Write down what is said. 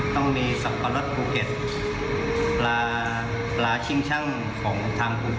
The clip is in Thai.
ต้องมีสับปะรดภูเก็ตปลาชิมช่างของทางภูเก็ต